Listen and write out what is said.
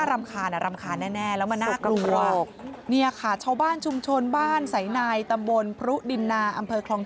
รำคาญด้วยเอาจริง